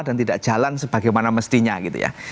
dan tidak jalan sebagaimana mestinya gitu ya